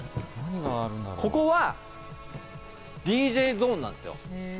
ここがＤＪゾーンなんですよ。